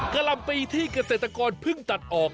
กลำปีที่เกษตรกรเพิ่งตัดออก